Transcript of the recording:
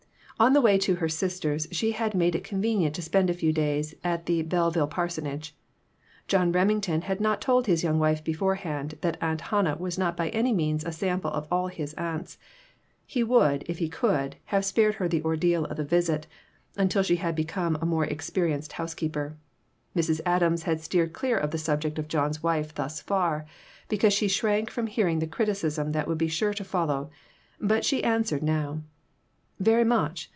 On the way to her sister's she had made it convenient to spend a few days at the Belleville parsonage. John Remington had not told his young wife beforehand that Aunt Hannah was not by any means a sample of all his aunts. He would, if he could, have spared her the ordeal of the visit until she had become a more expe rienced housekeeper. Mrs. Adams had steered clear of the subject of John's wife thus far, because she shrank from hearing the criticism that would be sure to follow, but she answered now "Very much.